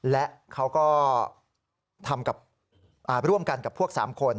และเขาก็ร่วมกันกับพวก๓คน